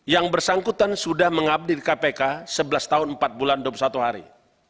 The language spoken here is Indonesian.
yang bersangkutan sudah mengabdi di kpk sebelas tahun empat bulan dua puluh satu hari